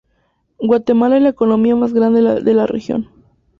Guatemala es la economía más grande de la región.